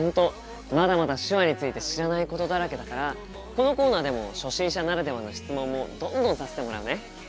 まだまだ手話について知らないことだらけだからこのコーナーでも初心者ならではの質問もどんどんさせてもらうね。